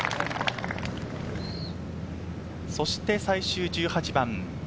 そして最終１８番。